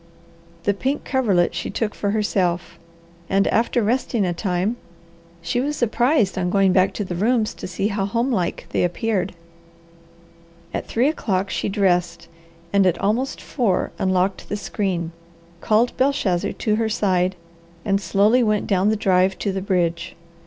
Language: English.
The pink coverlet she took for herself, and after resting a time she was surprised on going back to the rooms to see how homelike they appeared. At three o'clock she dressed and at almost four unlocked the screen, called Belshazzar to her side, and slowly went down the drive to the bridge.